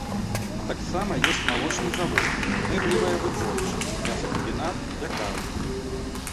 Таксама ёсць малочны завод, мэблевая вытворчасць, мясакамбінат, пякарня.